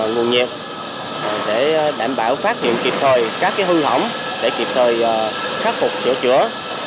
nguồn nhiệt để đảm bảo phát hiện kịp thời các hư hỏng để kịp thời khắc phục sửa chữa